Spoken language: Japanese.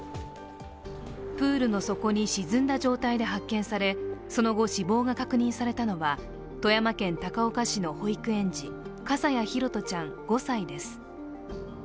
プールの底に沈んだ状態で発見されその後、死亡が確認されたのは富山県高岡市の保育園児、笠谷拓杜ちゃん５歳です。